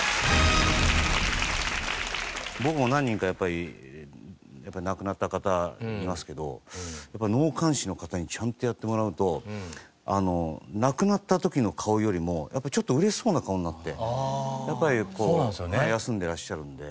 僕も何人かやっぱり亡くなった方いますけど納棺師の方にちゃんとやってもらうと亡くなった時の顔よりもちょっと嬉しそうな顔になってやっぱりこう休んでらっしゃるんで。